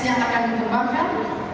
idx yang akan dikembangkan